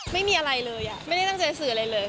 ไม่มีอะไรเลยไม่ได้ตั้งใจสื่ออะไรเลย